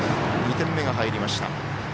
２点目が入りました。